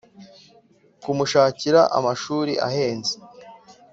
kumushakira amashuri ahenze